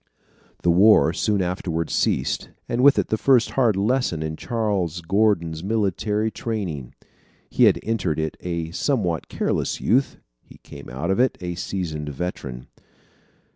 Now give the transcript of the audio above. The war soon afterwards ceased, and with it the first hard lesson in Charles Gordon's military training. He had entered it a somewhat careless youth. He came out of it a seasoned veteran.